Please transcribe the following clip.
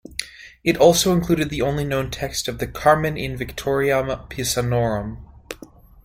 It also included the only known text of the "Carmen in victoriam Pisanorum".